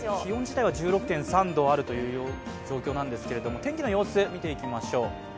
気温自体は１６．３度あるという状況なんですけど天気の様子を見ていきましょう。